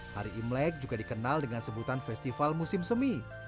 hari imlek juga dikenal dengan sebutan festival musim semi